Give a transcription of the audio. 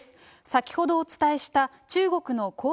先ほどお伝えした中国の恒